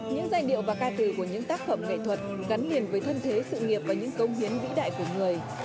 những giai điệu và ca từ của những tác phẩm nghệ thuật gắn liền với thân thế sự nghiệp và những công hiến vĩ đại của người